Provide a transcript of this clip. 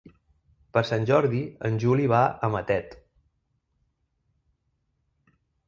Per Sant Jordi en Juli va a Matet.